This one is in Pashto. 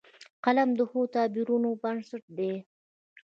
قلم د ښو تعبیرونو بنسټ دی